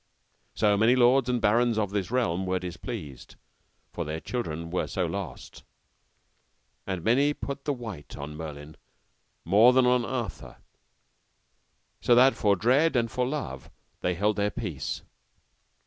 So many lords and barons of this realm were displeased, for their children were so lost, and many put the wite on Merlin more than on Arthur; so what for dread and for love, they held their peace.